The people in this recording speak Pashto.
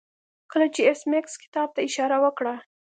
کله چې ایس میکس کتاب ته اشاره وکړه